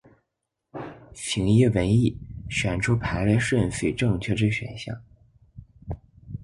請依文意，選出排列順序正確之選項